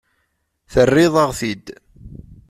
Terriḍ-aɣ-t-id.